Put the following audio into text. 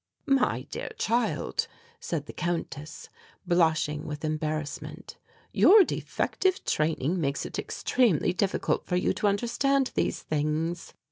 "My dear child," said the Countess, blushing with embarrassment, "your defective training makes it extremely difficult for you to understand these things."